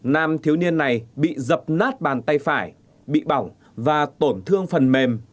nam thiếu niên này bị dập nát bàn tay phải bị bỏng và tổn thương phần mềm